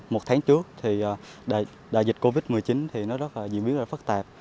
một tháng trước đại dịch covid một mươi chín diễn biến rất phát tạp